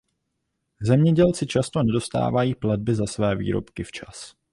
Zemědělci často nedostávají platby za své výrobky včas.